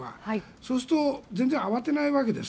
そうすると全然慌てないわけなんです。